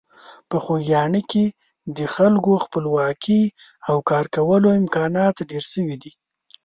په خوږیاڼي کې د خلکو خپلواکي او کارکولو امکانات ډېر شوي دي.